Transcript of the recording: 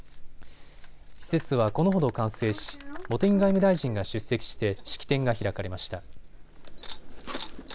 施設はこのほど完成し茂木外務大臣が出席して式典が開かれました。